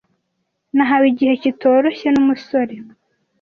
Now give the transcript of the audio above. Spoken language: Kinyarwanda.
Nahawe igihe kitoroshye numusore